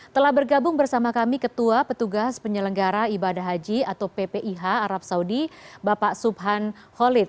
telah bergabung bersama kami ketua petugas penyelenggara ibadah haji atau ppih arab saudi bapak subhan holid